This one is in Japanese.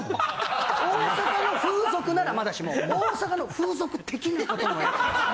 大阪の風俗ならまだしも大阪の風俗的なことのやつ。